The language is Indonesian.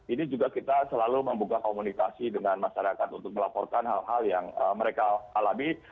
ini juga kita selalu membuka komunikasi dengan masyarakat untuk melaporkan hal hal yang mereka alami